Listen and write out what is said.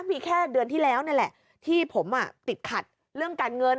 มีแค่เดือนที่แล้วนั่นแหละที่ผมติดขัดเรื่องการเงิน